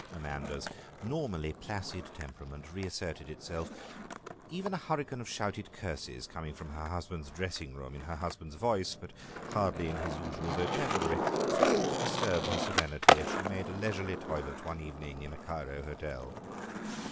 Amanda's normally placid temperament reasserted itself. Even a hurricane of shouted curses, coming from her husband's dressing room, in her husband's voice, but hardly in his usual vocabulary, failed to disturb her serenity as she made a leisurely toilet one evening in a Cairo hotel.